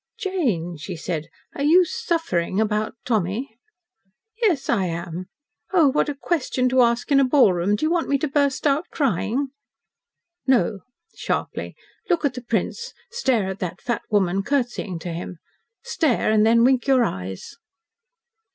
"Jane," she said, "are you SUFFERING about Tommy?" "Yes, I am. Oh, what a question to ask in a ballroom! Do you want me to burst out crying?" "No," sharply, "look at the Prince. Stare at that fat woman curtsying to him. Stare and then wink your eyes."